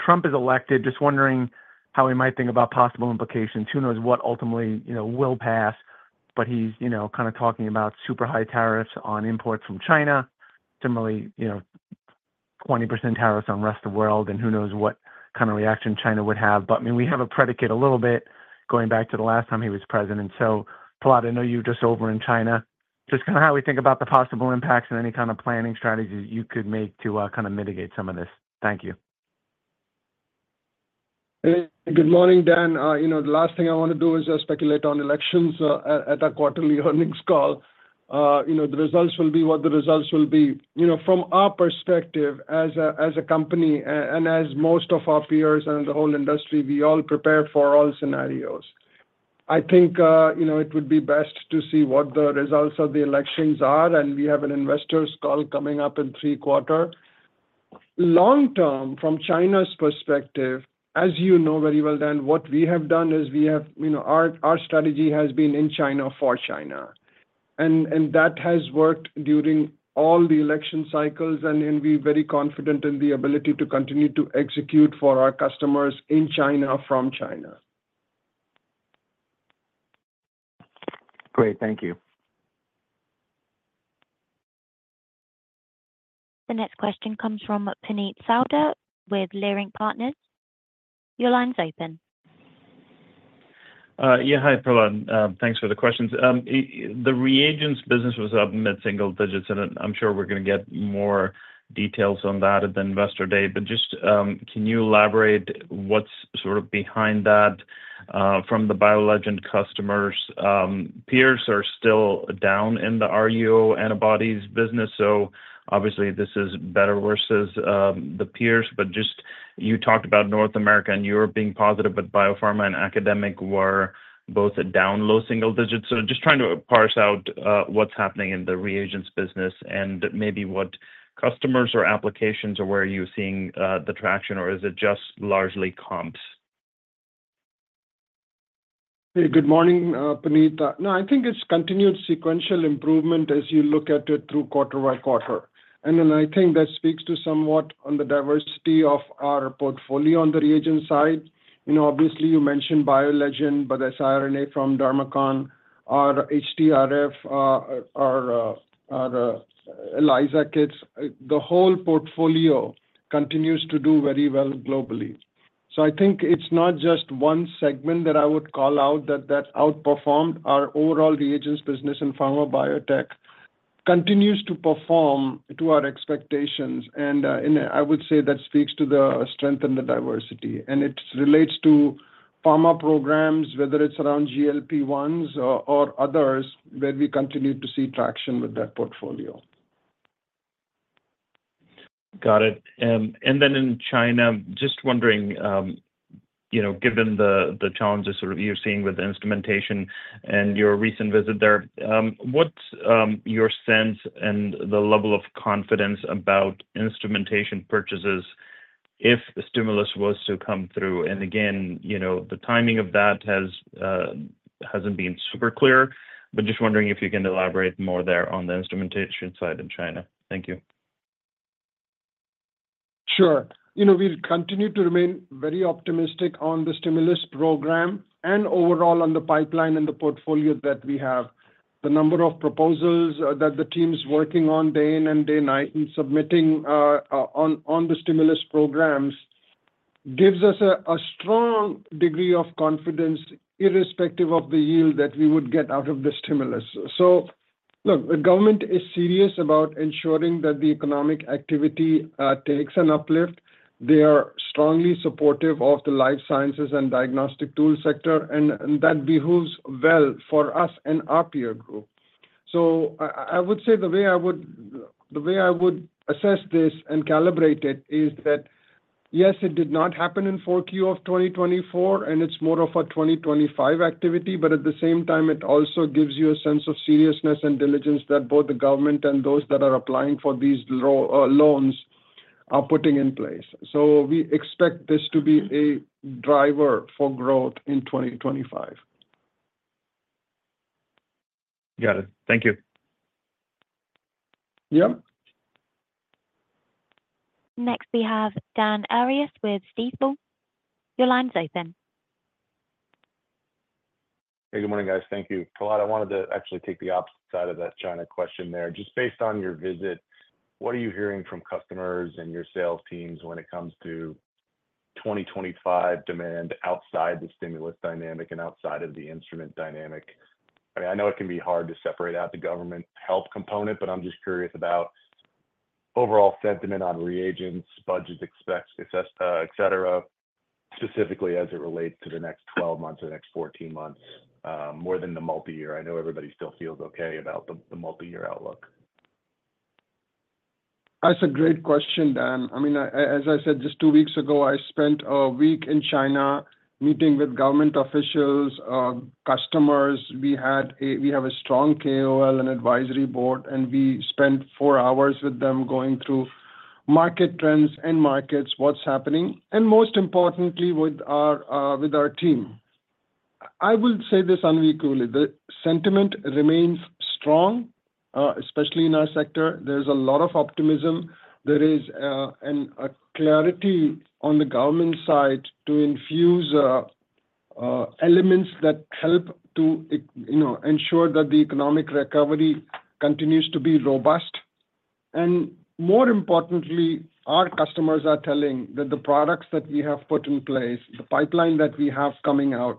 Trump is elected, just wondering how he might think about possible implications. Who knows what ultimately will pass, but he's kind of talking about super high tariffs on imports from China, similarly 20% tariffs on the rest of the world, and who knows what kind of reaction China would have. But I mean, we have a precedent a little bit going back to the last time he was president. So Prahlad, I know you're just over in China. Just kind of how we think about the possible impacts and any kind of planning strategies you could make to kind of mitigate some of this. Thank you. Good morning, Dan. The last thing I want to do is speculate on elections at a quarterly earnings call. The results will be what the results will be. From our perspective as a company and as most of our peers and the whole industry, we all prepare for all scenarios. I think it would be best to see what the results of the elections are, and we have an investor's call coming up in the third quarter. Long-term, from China's perspective, as you know very well, Dan, what we have done is our strategy has been in China for China. And that has worked during all the election cycles, and we're very confident in the ability to continue to execute for our customers in China from China. Great. Thank you. The next question comes from Puneet Souda with Leerink Partners. Your line is open. Yeah. Hi, Prahlad. Thanks for the questions. The reagents business was up mid-single digits, and I'm sure we're going to get more details on that at the investor day. But just can you elaborate what's sort of behind that from the BioLegend customers? Peers are still down in the RUO antibodies business. So obviously, this is better versus the peers. But just you talked about North America and Europe being positive, but biopharma and academic were both down low single digits. So just trying to parse out what's happening in the reagents business and maybe what customers or applications are where you're seeing the traction, or is it just largely comps? Hey, good morning, Puneet. No, I think it's continued sequential improvement as you look at it through quarter by quarter. And then I think that speaks to somewhat on the diversity of our portfolio on the reagent side. Obviously, you mentioned BioLegend, but siRNA from Dharmacon, our HTRF, our ELISA kits, the whole portfolio continues to do very well globally. So I think it's not just one segment that I would call out that outperformed. Our overall reagents business and pharma biotech continues to perform to our expectations. And I would say that speaks to the strength and the diversity. And it relates to pharma programs, whether it's around GLP-1s or others, where we continue to see traction with that portfolio. Got it. And then in China, just wondering, given the challenges sort of you're seeing with the instrumentation and your recent visit there, what's your sense and the level of confidence about instrumentation purchases if the stimulus was to come through? And again, the timing of that hasn't been super clear, but just wondering if you can elaborate more there on the instrumentation side in China. Thank you. Sure. We'll continue to remain very optimistic on the stimulus program and overall on the pipeline and the portfolio that we have. The number of proposals that the team's working on day in and day out and submitting on the stimulus programs gives us a strong degree of confidence irrespective of the yield that we would get out of the stimulus. So look, the government is serious about ensuring that the economic activity takes an uplift. They are strongly supportive of the life sciences and diagnostic tool sector, and that bodes well for us and our peer group. So I would say the way I would assess this and calibrate it is that, yes, it did not happen in 4Q of 2024, and it's more of a 2025 activity, but at the same time, it also gives you a sense of seriousness and diligence that both the government and those that are applying for these loans are putting in place. So we expect this to be a driver for growth in 2025. Got it. Thank you. Yep. Next, we have Dan Arias with Stifel. Your line's open. Hey, good morning, guys. Thank you. Prahlad, I wanted to actually take the opposite side of that China question there. Just based on your visit, what are you hearing from customers and your sales teams when it comes to 2025 demand outside the stimulus dynamic and outside of the instrument dynamic? I mean, I know it can be hard to separate out the government help component, but I'm just curious about overall sentiment on reagents, budgets, etc., specifically as it relates to the next 12 months or the next 14 months, more than the multi-year. I know everybody still feels okay about the multi-year outlook. That's a great question, Dan. I mean, as I said, just two weeks ago, I spent a week in China meeting with government officials, customers. We have a strong KOL and advisory board, and we spent four hours with them going through market trends and markets, what's happening, and most importantly, with our team. I will say this unwittingly, the sentiment remains strong, especially in our sector. There's a lot of optimism. There is a clarity on the government side to infuse elements that help to ensure that the economic recovery continues to be robust. And more importantly, our customers are telling that the products that we have put in place, the pipeline that we have coming out,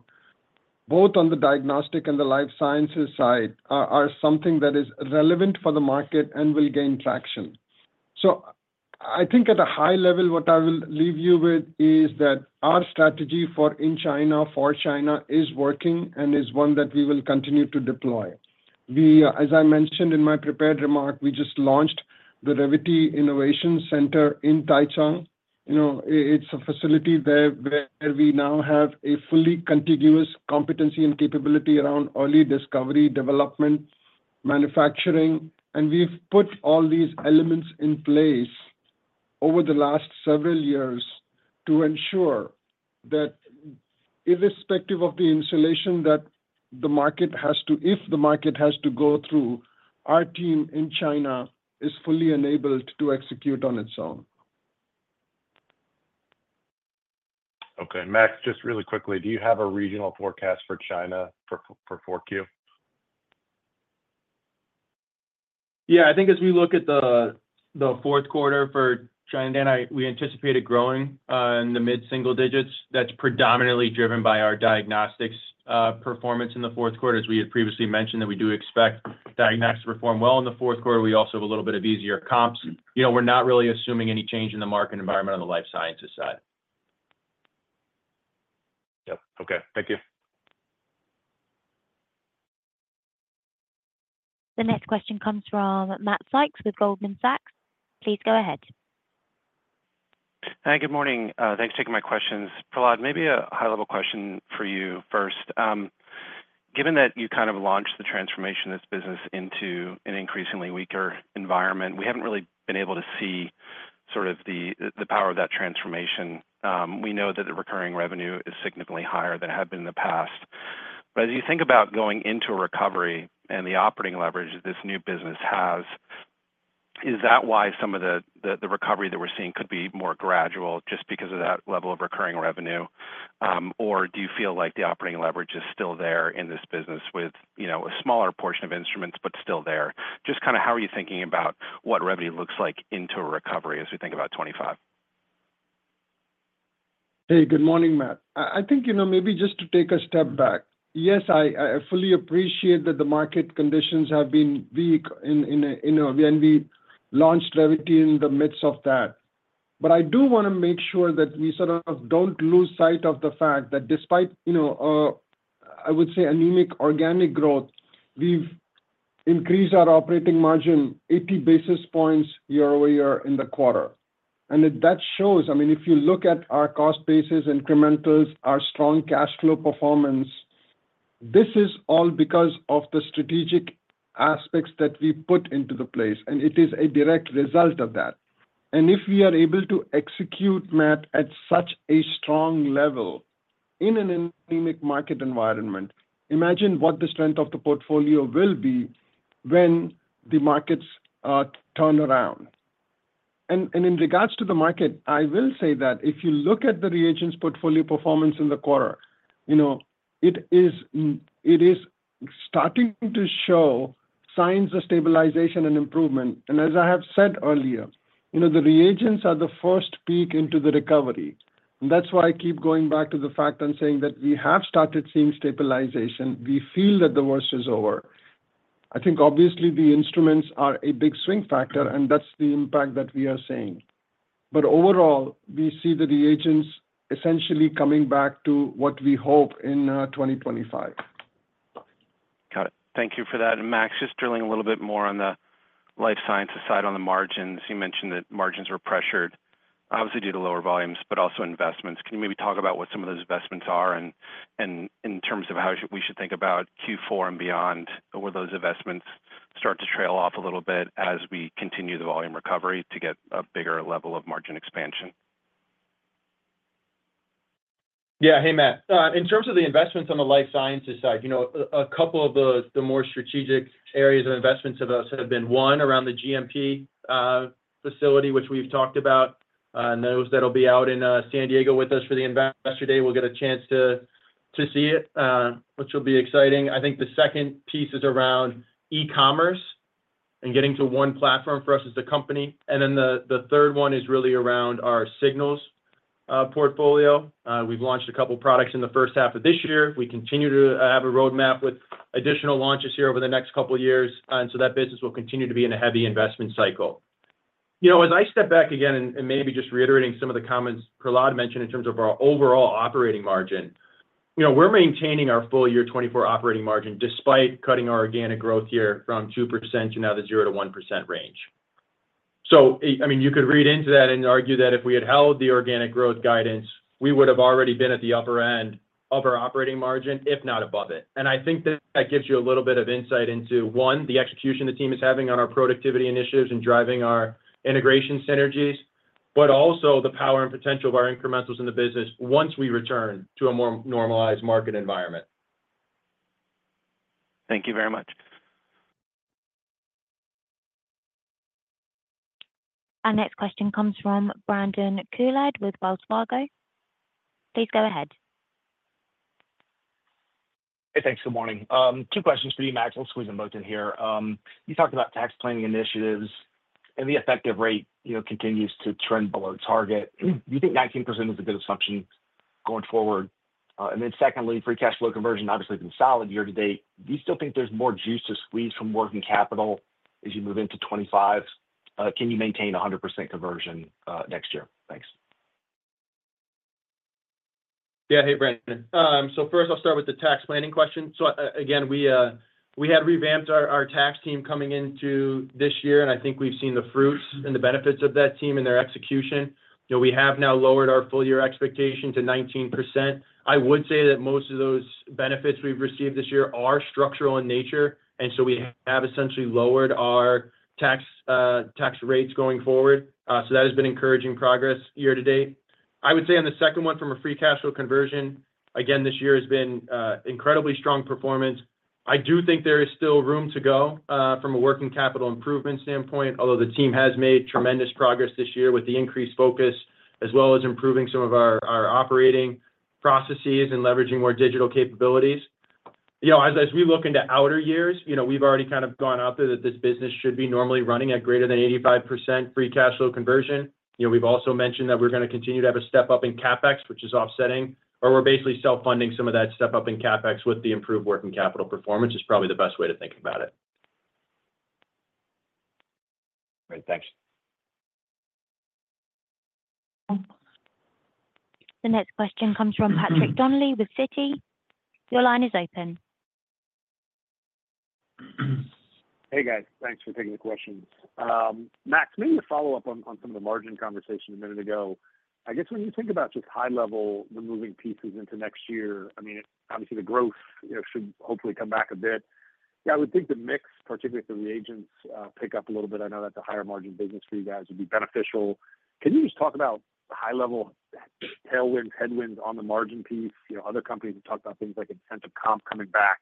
both on the diagnostic and the life sciences side, are something that is relevant for the market and will gain traction. So I think at a high level, what I will leave you with is that our strategy for in China, for China is working and is one that we will continue to deploy. As I mentioned in my prepared remark, we just launched the Revvity Innovation Center in Taicang. It's a facility there where we now have a fully contiguous competency and capability around early discovery, development, manufacturing. And we've put all these elements in place over the last several years to ensure that irrespective of the insulation that the market has to, if the market has to go through, our team in China is fully enabled to execute on its own. Okay. Max, just really quickly, do you have a regional forecast for China for 4Q? Yeah. I think as we look at the fourth quarter for China, we anticipate it growing in the mid-single digits. That's predominantly driven by our diagnostics performance in the fourth quarter. As we had previously mentioned, we do expect diagnostics to perform well in the fourth quarter. We also have a little bit of easier comps. We're not really assuming any change in the market environment on the life sciences side. Yep. Okay. Thank you. The next question comes from Matt Sykes with Goldman Sachs. Please go ahead. Hi, good morning. Thanks for taking my questions. Prahlad, maybe a high-level question for you first. Given that you kind of launched the transformation of this business into an increasingly weaker environment, we haven't really been able to see sort of the power of that transformation. We know that the recurring revenue is significantly higher than it had been in the past. But as you think about going into a recovery and the operating leverage that this new business has, is that why some of the recovery that we're seeing could be more gradual just because of that level of recurring revenue? Or do you feel like the operating leverage is still there in this business with a smaller portion of instruments, but still there? Just kind of how are you thinking about what revenue looks like into a recovery as we think about 2025? Hey, good morning, Matt. I think maybe just to take a step back. Yes, I fully appreciate that the market conditions have been weak when we launched Revvity in the midst of that. But I do want to make sure that we sort of don't lose sight of the fact that despite, I would say, anemic organic growth, we've increased our operating margin 80 basis points year-over-year in the quarter. And that shows, I mean, if you look at our cost basis, incrementals, our strong cash flow performance, this is all because of the strategic aspects that we put into the place. It is a direct result of that. If we are able to execute, Matt, at such a strong level in an anemic market environment, imagine what the strength of the portfolio will be when the markets turn around. In regards to the market, I will say that if you look at the reagents portfolio performance in the quarter, it is starting to show signs of stabilization and improvement. As I have said earlier, the reagents are the first peak into the recovery. That's why I keep going back to the fact and saying that we have started seeing stabilization. We feel that the worst is over. I think obviously the instruments are a big swing factor, and that's the impact that we are seeing. But overall, we see the reagents essentially coming back to what we hope in 2025. Got it. Thank you for that. And Max, just drilling a little bit more on the life sciences side on the margins. You mentioned that margins were pressured, obviously due to lower volumes, but also investments. Can you maybe talk about what some of those investments are in terms of how we should think about Q4 and beyond, or will those investments start to trail off a little bit as we continue the volume recovery to get a bigger level of margin expansion? Yeah. Hey, Matt. In terms of the investments on the life sciences side, a couple of the more strategic areas of investments have been one around the GMP facility, which we've talked about, and those that will be out in San Diego with us for the investor day. We'll get a chance to see it, which will be exciting. I think the second piece is around e-commerce and getting to one platform for us as a company. And then the third one is really around our Signals portfolio. We've launched a couple of products in the first half of this year. We continue to have a roadmap with additional launches here over the next couple of years. And so that business will continue to be in a heavy investment cycle. As I step back again and maybe just reiterating some of the comments Prahlad mentioned in terms of our overall operating margin, we're maintaining our full year 2024 operating margin despite cutting our organic growth here from 2% to now the 0%-1% range. So I mean, you could read into that and argue that if we had held the organic growth guidance, we would have already been at the upper end of our operating margin, if not above it. And I think that gives you a little bit of insight into, one, the execution the team is having on our productivity initiatives and driving our integration synergies, but also the power and potential of our incrementals in the business once we return to a more normalized market environment. Thank you very much. Our next question comes from Brandon Couillard with Wells Fargo. Please go ahead. Hey, thanks. Good morning. Two questions for you, Max. I'll squeeze them both in here. You talked about tax planning initiatives, and the effective rate continues to trend below target. Do you think 19% is a good assumption going forward? And then secondly, free cash flow conversion obviously has been solid year to date. Do you still think there's more juice to squeeze from working capital as you move into 2025? Can you maintain 100% conversion next year? Thanks. Yeah. Hey, Brandon. So first, I'll start with the tax planning question. So again, we had revamped our tax team coming into this year, and I think we've seen the fruits and the benefits of that team and their execution. We have now lowered our full year expectation to 19%. I would say that most of those benefits we've received this year are structural in nature. And so we have essentially lowered our tax rates going forward. So that has been encouraging progress year to date. I would say on the second one from a free cash flow conversion, again, this year has been incredibly strong performance. I do think there is still room to go from a working capital improvement standpoint, although the team has made tremendous progress this year with the increased focus, as well as improving some of our operating processes and leveraging more digital capabilities. As we look into out years, we've already kind of gone out there that this business should be normally running at greater than 85% free cash flow conversion. We've also mentioned that we're going to continue to have a step up in CapEx, which is offsetting, or we're basically self-funding some of that step up in CapEx with the improved working capital performance is probably the best way to think about it. Great. Thanks. The next question comes from Patrick Donnelly with Citi. Your line is open. Hey, guys. Thanks for taking the question. Max, maybe a follow-up on some of the margin conversation a minute ago. I guess when you think about just high-level, removing pieces into next year, I mean, obviously the growth should hopefully come back a bit. Yeah, I would think the mix, particularly for reagents, pick up a little bit. I know that's a higher margin business for you guys would be beneficial. Can you just talk about high-level tailwinds, headwinds on the margin piece? Other companies have talked about things like incentive comp coming back.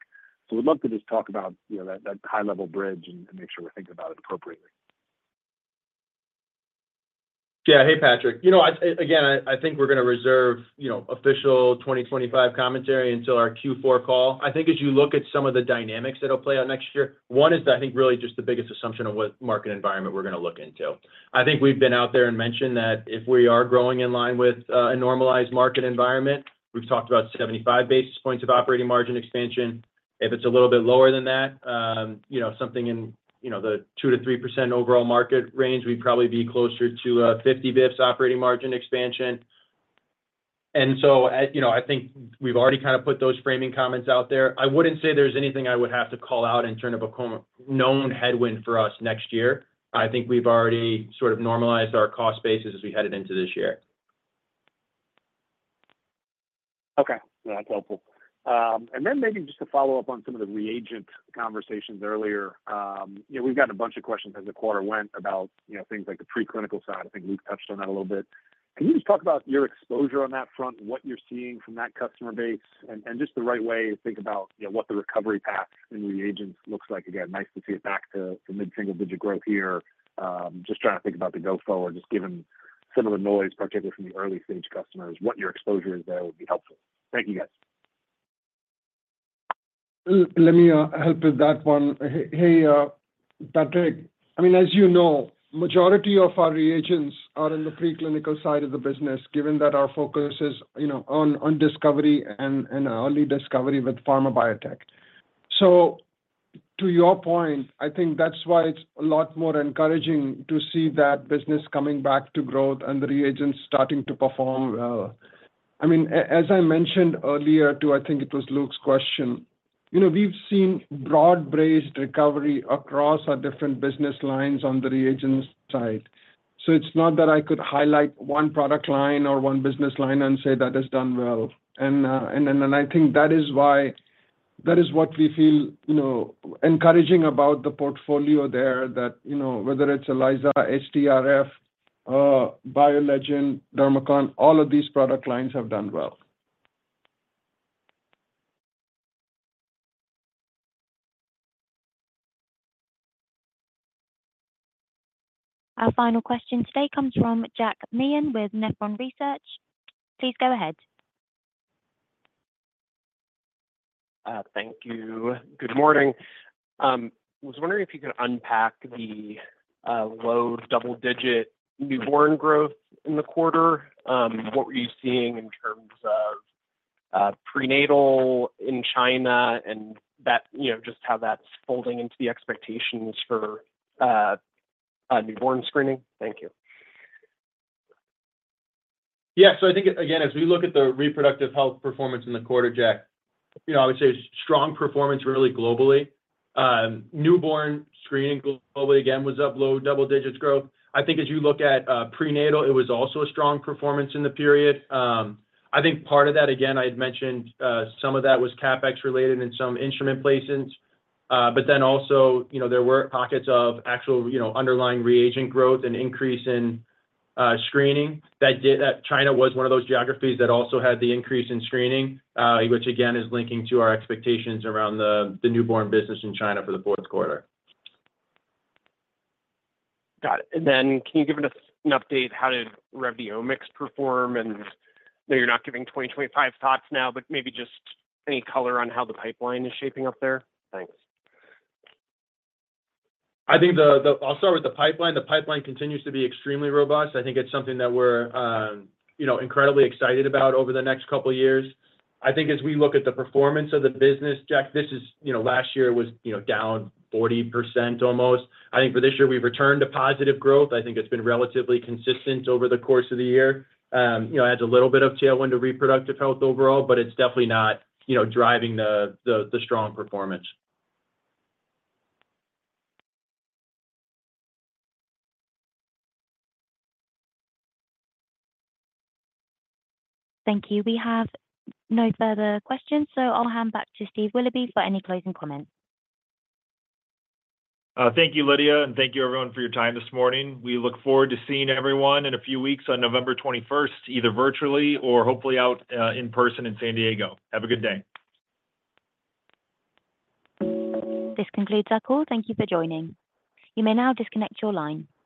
So we'd love to just talk about that high-level bridge and make sure we're thinking about it appropriately. Yeah. Hey, Patrick. Again, I think we're going to reserve official 2025 commentary until our Q4 call. I think as you look at some of the dynamics that will play out next year, one is I think really just the biggest assumption of what market environment we're going to look into. I think we've been out there and mentioned that if we are growing in line with a normalized market environment, we've talked about 75 basis points of operating margin expansion. If it's a little bit lower than that, something in the 2%-3% overall market range, we'd probably be closer to 50 basis points operating margin expansion. And so I think we've already kind of put those framing comments out there. I wouldn't say there's anything I would have to call out in terms of a known headwind for us next year. I think we've already sort of normalized our cost bases as we headed into this year. Okay. That's helpful. And then maybe just to follow up on some of the reagent conversations earlier, we've gotten a bunch of questions as the quarter went about things like the preclinical side. I think Luke touched on that a little bit. Can you just talk about your exposure on that front, what you're seeing from that customer base, and just the right way to think about what the recovery path in reagents looks like? Again, nice to see it back to mid-single digit growth here. Just trying to think about the go forward, just given some of the noise, particularly from the early-stage customers, what your exposure is there would be helpful. Thank you, guys. Let me help with that one. Hey, Patrick, I mean, as you know, the majority of our reagents are on the preclinical side of the business, given that our focus is on discovery and early discovery with pharma biotech. So to your point, I think that's why it's a lot more encouraging to see that business coming back to growth and the reagents starting to perform well. I mean, as I mentioned earlier too, I think it was Luke's question, we've seen broad-based recovery across our different business lines on the reagents side. So it's not that I could highlight one product line or one business line and say that it's done well. And I think that is why that is what we feel encouraging about the portfolio there, that whether it's ELISA, HTRF, BioLegend, Dharmacon, all of these product lines have done well. Our final question today comes from Jack Meehan with Nephron Research. Please go ahead. Thank you. Good morning. I was wondering if you could unpack the low double-digit newborn growth in the quarter. What were you seeing in terms of prenatal in China and just how that's folding into the expectations for newborn screening? Thank you. Yeah. So I think, again, as we look at the reproductive health performance in the quarter, Jack, I would say strong performance really globally. Newborn screening globally again was up low double-digits growth. I think as you look at prenatal, it was also a strong performance in the period. I think part of that, again, I had mentioned some of that was CapEx related in some instrument placements. But then also there were pockets of actual underlying reagent growth and increase in screening. China was one of those geographies that also had the increase in screening, which again is linking to our expectations around the newborn business in China for the fourth quarter. Got it. And then can you give an update how did Revvity Omics perform? And I know you're not giving 2025 thoughts now, but maybe just any color on how the pipeline is shaping up there? Thanks. I think I'll start with the pipeline. The pipeline continues to be extremely robust. I think it's something that we're incredibly excited about over the next couple of years. I think as we look at the performance of the business, Jack, this is last year was down 40% almost. I think for this year we've returned to positive growth. I think it's been relatively consistent over the course of the year. It has a little bit of tailwind to reproductive health overall, but it's definitely not driving the strong performance. Thank you. We have no further questions, so I'll hand back to Steve Willoughby for any closing comments. Thank you, Lydia, and thank you, everyone, for your time this morning. We look forward to seeing everyone in a few weeks on November 21st, either virtually or hopefully out in person in San Diego. Have a good day. This concludes our call. Thank you for joining. You may now disconnect your line.